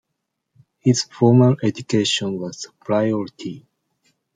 His formal education was the priority!